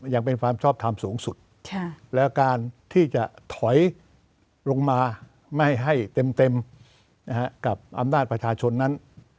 ยังเป็นความชอบทำสูงสุดแล้วการที่จะถอยลงมาไม่ให้เต็มกับอำนาจประชาชนนั้น